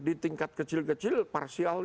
di tingkat kecil kecil parsial